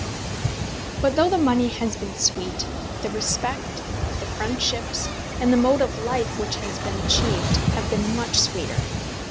But though the money has been sweet, the respect, the friendships, and the mode of life which has been achieved, have been much sweeter.